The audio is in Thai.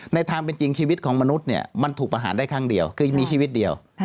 ในทางเป็นจริงชีวิตของมนุษย์เนี่ยมันถูกประหารได้ครั้งเดียวคือมีชีวิตเดียว